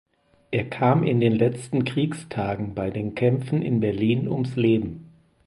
Er kam in den letzten Kriegstagen bei den Kämpfen in Berlin ums Leben.